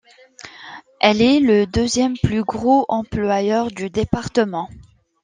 Elle est le deuxième plus gros employeur du département.